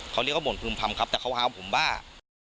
เขาเรียกว่าบ่นพึมพรรมครับแต่เขาหาว่าผมบ้า